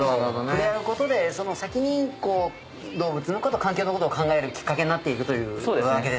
触れ合うことでその先にこう動物のこと環境のことを考えるきっかけになっていくというわけですね。